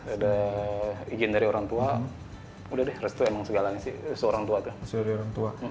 ada izin dari orang tua udah deh restu emang segalanya sih seorang tua tuh